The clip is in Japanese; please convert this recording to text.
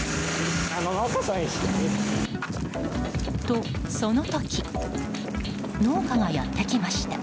と、その時農家がやってきました。